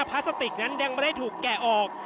พลาสติกนั้นยังไม่ได้ถูกแกะออก